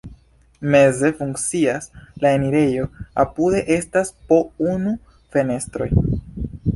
Meze funkcias la enirejo, apude estas po unu fenestroj.